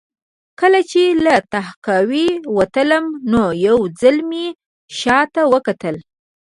کله چې له تهکوي وتلم نو یو ځل مې شا ته وکتل